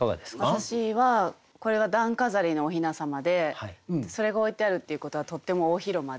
私はこれが段飾りのお雛様でそれが置いてあるっていうことはとっても大広間で。